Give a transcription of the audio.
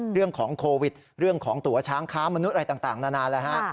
เรื่องของโควิดเรื่องของตัวช้างค้ามนุษย์อะไรต่างนานาแล้วฮะ